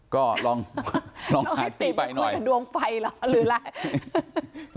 ก็ลองหาติไปหน่อยลองให้ติไปคุยกับดวงไฟหรอ